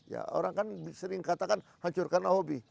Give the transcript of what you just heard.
ya orang kan sering katakan hancur karena hobi